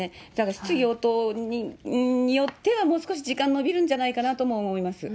質疑応答によっては、もう少し時間延びるんじゃないかなとも思います。